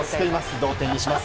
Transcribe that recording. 同点にします。